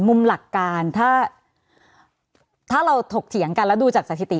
มุมหลักการถ้าเราถกเถียงกันแล้วดูจากสถิติ